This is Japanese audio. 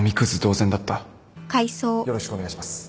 よろしくお願いします